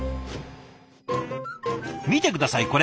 見て下さいこれ。